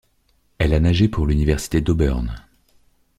Elle a nagé pour l'Université d'Auburn.